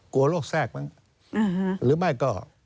กลัวโรคแทรกมั้งหรือไม่ก็